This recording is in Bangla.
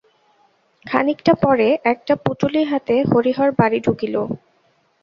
খানিকটা পরে একটা পুটুলি হাতে হরিহর বাড়ি ঢুকিল।